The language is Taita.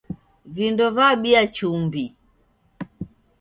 Vindo vabia chumbi.